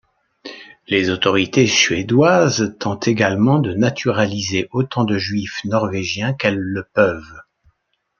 Les autorités suédoises tentent également de naturaliser autant de juifs norvégiens qu'elles le peuvent.